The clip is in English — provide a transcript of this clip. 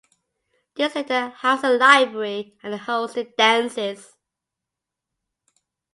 This later housed a library and hosted dances.